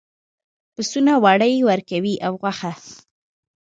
پسونه وړۍ ورکوي او غوښه.